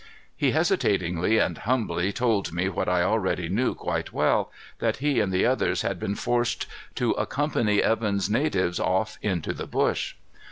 He hesitatingly and humbly told me what I already knew quite well, that he and the others had been forced to accompany Evan's natives off into the bush.